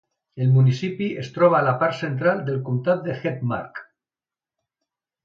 El municipi es troba a la part central del comtat de Hedmark.